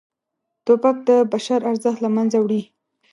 توپک د بشر ارزښت له منځه وړي.